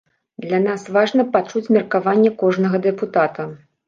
Для нас важна пачуць меркаванне кожнага дэпутата.